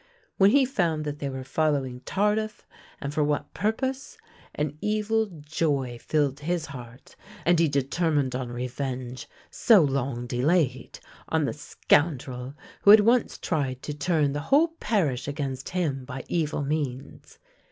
When he found that they were following Tardif, and for what purpose, an evil joy filled his heart, and he determined on revenge — so long delayed — on the scoundrel who had once tried to turn the whole parish against him by evil means.